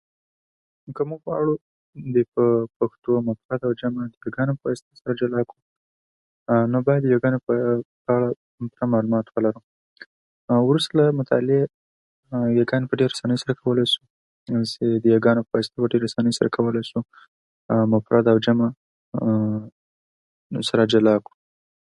که موږ وغواړو پښتو معاصره ژبه نو باید یاګانو په اړه معلومات ولرو، او وروسته له مطالعې یاګانې په ډېرې اسانۍ سره کولای شو. یاګانې په ډېرې اسانۍ سره کولای شو، او مفرد او جمع سره جلا کړو.